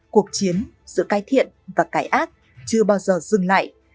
cuộc chiến sự cải thiện và cải ác chưa bao giờ dừng lại